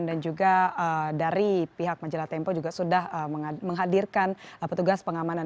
dan juga dari pihak majalah tempo juga sudah menghadirkan petugas pengamanan